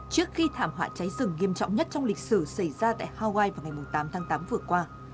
trước khi thảm họa cháy rừng nghiêm trọng nhất trong lịch sử xảy ra tại hawaii vào ngày tám tháng tám vừa qua